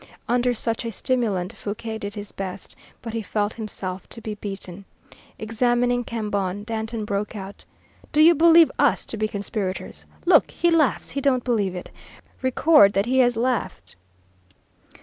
Under such a stimulant Fouquier did his best, but he felt himself to be beaten. Examining Cambon, Danton broke out: "Do you believe us to be conspirators? Look, he laughs, he don't believe it. Record that he has laughed."